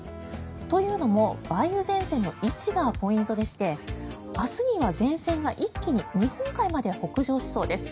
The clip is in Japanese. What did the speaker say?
というのも、梅雨前線の位置がポイントでして明日には前線が一気に日本海まで北上しそうです。